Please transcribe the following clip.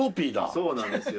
そうなんですよ。